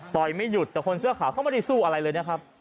ไม่หยุดแต่คนเสื้อขาวเขาไม่ได้สู้อะไรเลยนะครับ